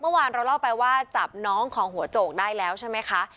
เมื่อวานเราเล่าไปว่าจับน้องของหัวโจกได้แล้วใช่ไหมคะ